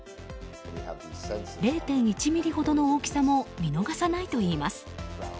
０．１ｍｍほどの大きさも見逃さないといいます。